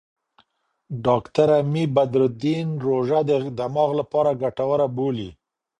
ډاکټره مي بدرالدین روژه د دماغ لپاره ګټوره بولي.